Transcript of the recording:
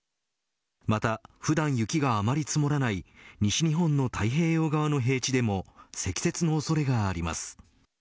また普段雪があまり積もらない西日本の太平洋側の平地でも積雪の恐れがあります。